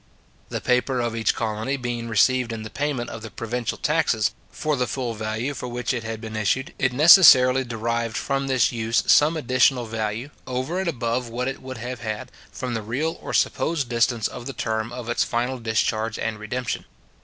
The paper of each colony being received in the payment of the provincial taxes, for the full value for which it had been issued, it necessarily derived from this use some additional value, over and above what it would have had, from the real or supposed distance of the term of its final discharge and redemption.